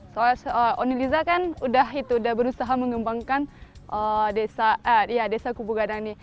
soalnya unilisa kan udah berusaha mengembangkan desa kubu gadang ini